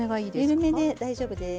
緩めで大丈夫です。